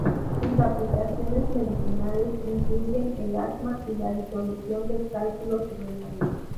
Sus aplicaciones medicinales incluyen el asma y la disolución de cálculos renales.